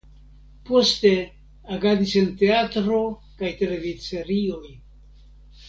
Poste agadis en teatro kaj televidserioj.